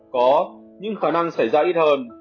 có nhưng khả năng xảy ra ít hơn